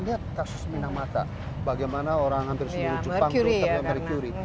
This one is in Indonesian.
lihat kasus minamata bagaimana orang hampir semua jepang tuh terlihat merkuri